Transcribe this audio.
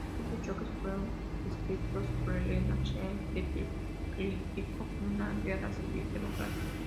Estos choques fueron descritos por Elena Schneider, de "Político", como una "guerra civil demócrata".